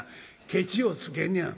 ケチをつけんねや」。